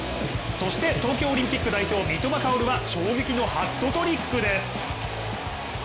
そして東京オリンピック代表、三笘薫は衝撃のハットトリックです。